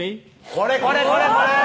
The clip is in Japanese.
これこれこれこれ！